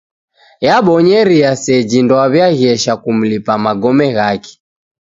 Yabonyeria seji ndowaw'iaghesha kumlipa magome ghape.